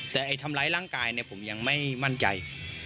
แต่ทำร้ายร่างกายเนี่ยผมยังไม่มั่นใจ